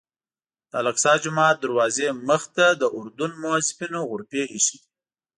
د الاقصی جومات دروازې مخې ته د اردن موظفینو غرفې ایښي دي.